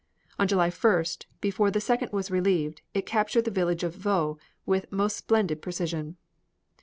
On July 1st, before the Second was relieved, it captured the village of Vaux with most splendid precision.